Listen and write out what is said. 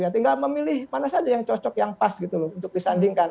tinggal memilih mana saja yang cocok yang pas gitu loh untuk disandingkan